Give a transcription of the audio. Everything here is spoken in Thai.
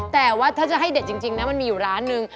แต่ว่าถ้าจะให้เด็ดจริงนะมันมีอยู่ร้านนึง